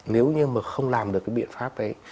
nếu như mà không làm được cái biện pháp đấy